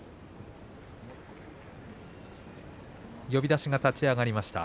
呼出しが立ち上がりました。